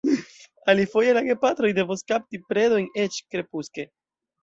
Alifoje la gepatroj devos kapti predojn eĉ krepuske.